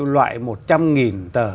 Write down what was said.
loại một trăm nghìn tờ